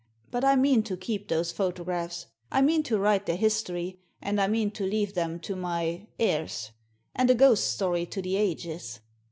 But I mean to keep those photographs; I mean to write their history, and I mean to leave them to my — theirs, and a ghost story to the ages.